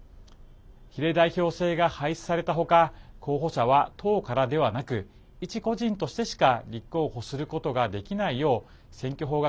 比例代表制が廃止された他候補者は党からではなく一個人としてしか立候補することができないよう選挙法が